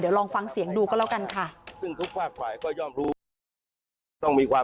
ลองฟังเสียงดูก็แล้วกันค่ะ